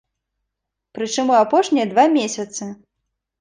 Прычым у апошнія два месяцы!